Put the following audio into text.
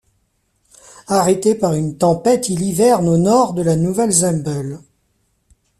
Arrêté par une tempête, il hiverne au nord de la Nouvelle-Zemble.